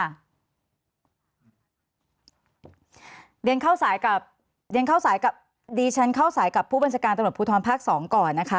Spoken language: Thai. เรียนเข้าสายกับดีฉันเข้าสายกับผู้บัญชการตำรวจภูทรภาค๒ก่อนนะคะ